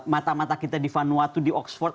mata mata kita di vanuatu di oxford